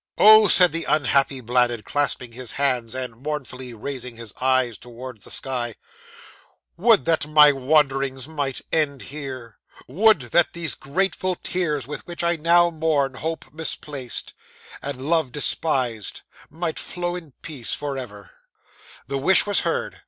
'"Oh!" said the unhappy Bladud, clasping his hands, and mournfully raising his eyes towards the sky, "would that my wanderings might end here! Would that these grateful tears with which I now mourn hope misplaced, and love despised, might flow in peace for ever!" 'The wish was heard.